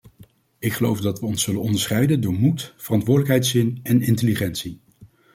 Ik geloof dat we ons zullen onderscheiden door moed, verantwoordelijkheidszin en intelligentie.